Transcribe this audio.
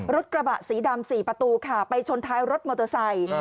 รถกระบะสีดำ๔ประตูค่ะไปชนท้ายรถมอเตอร์ไซค์